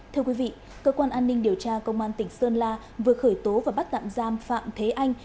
thưa quý vị cơ quan an ninh điều tra công an tỉnh sơn la vừa khởi tố và bắt tạm giam phạm thế anh